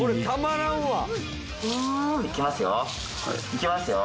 いきますよ？